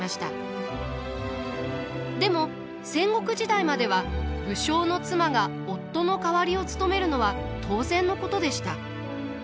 でも戦国時代までは武将の妻が夫の代わりを務めるのは当然のことでした。